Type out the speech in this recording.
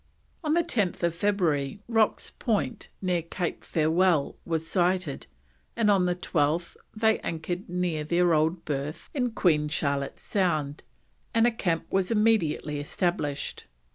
On 10th February Rocks Point, near Cape Farewell, was sighted, and on the 12th they anchored near their old berth in Queen Charlotte's Sound, and a camp was immediately established.